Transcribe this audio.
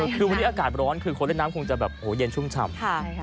คือวันนี้อากาศร้อนคือคนเล่นน้ำคงจะแบบเย็นชุ่มฉ่ำ